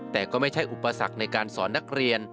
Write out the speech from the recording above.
แต่ก็ไม่ใช่อุปสรรคในการสอนนักเรียน